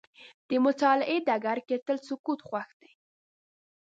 د مطالعې ډګر کې تل سکوت خوښ دی.